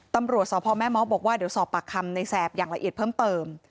ตำรวจสพแม่ม้อบอกว่าเดี๋ยวสอบปากคำในแสบอย่างละเอียดเพิ่มเติม